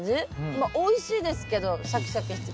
まあおいしいですけどシャキシャキしてて。